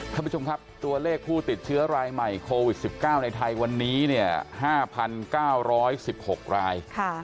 ท่านผู้ชมครับตัวเลขผู้ติดเชื้อรายใหม่โควิด๑๙ในไทยวันนี้เนี่ย๕๙๑๖ราย